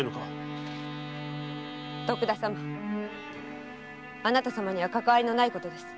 徳田様あなた様にはかかわりのないことです。